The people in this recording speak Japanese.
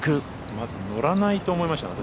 まず乗らないと思いました、私。